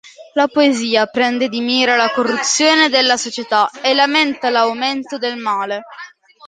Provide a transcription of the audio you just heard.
La poesia prende di mira la corruzione della società e lamenta l'aumento del male.